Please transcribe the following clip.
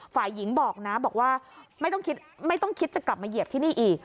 ฝ่ายหญิงบอกนะบอกว่าไม่ต้องคิดไม่ต้องคิดจะกลับมาเหยียบที่นี่อีก